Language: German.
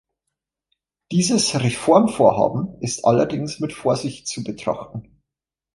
Dieses Reformvorhaben ist allerdings mit Vorsicht zu betrachten.